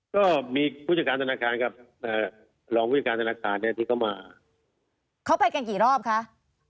ก็มีผู้จัดการธนาคารกับรองผู้จัดการธนาคารเนี่ยที่เขามาเขาไปกันกี่รอบคะ